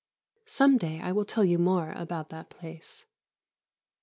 Some day I will tell you more about that place.